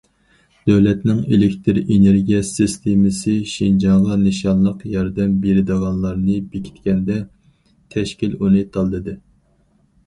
دۆلەتنىڭ ئېلېكتىر ئېنېرگىيە سىستېمىسى شىنجاڭغا نىشانلىق ياردەم بېرىدىغانلارنى بېكىتكەندە، تەشكىل ئۇنى تاللىدى.